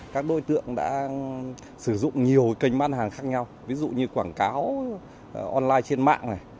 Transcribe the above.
các đối tượng đã sử dụng nhiều kênh bán hàng khác nhau ví dụ như quảng cáo online trên mạng này